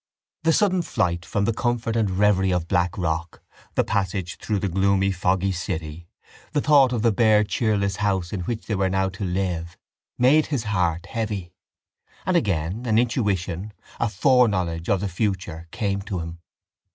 The sudden flight from the comfort and reverie of Blackrock, the passage through the gloomy foggy city, the thought of the bare cheerless house in which they were now to live made his heart heavy: and again an intuition, a foreknowledge of the future came to him.